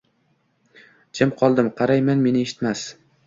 Jim qoldim. Qarayman. Meni eshitmas